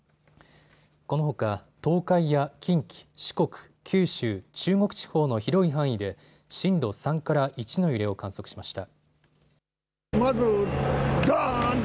このほか東海や近畿、四国、九州、中国地方の広い範囲で震度３から１の揺れを観測しました。